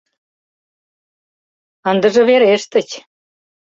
Ындыже верештыч!